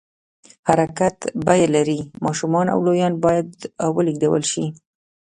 حرکت بیه لري، ماشومان او لویان باید ولېږدول شي.